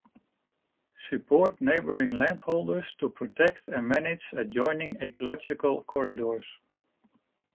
Support neighbouring landholders to protect and manage adjoining ecological corridors.